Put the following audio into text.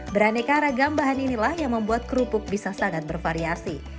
beraneka ragam bahan inilah yang membuat kerupuk bisa sangat bervariasi